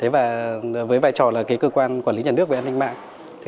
và với vai trò là cơ quan quản lý nhà nước về an ninh mạng